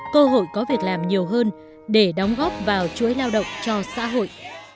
cơ hội có việc làm nhiều hơn để đóng góp vào chuỗi lao động cho xã hội